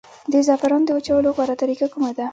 د زعفرانو د وچولو غوره طریقه کومه ده؟